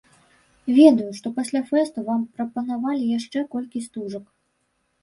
Ведаю, што пасля фэсту вам прапанавалі яшчэ колькі стужак.